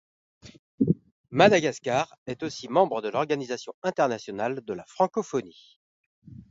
Madagascar est aussi membre de l'Organisation internationale de la francophonie.